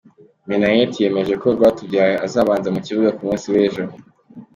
Minnaert yemeje ko Rwatubyaye azabanza mu kibuga ku munsi w’ejo.